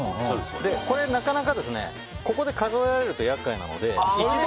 これ、なかなかここで数えられると厄介なので。